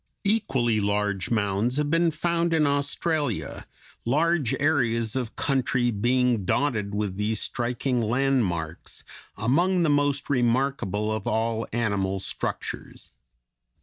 Equally large mounds have been found in Australia, large areas of country being dotted with these striking landmarks, among the most remarkable of all animal structures.